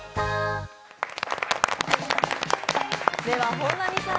本並さん